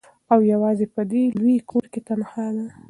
او یوازي په دې لوی کور کي تنهاده